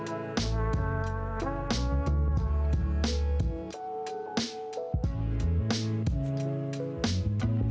maka penghasilan rata kita sudah tabetampung kent helik dalej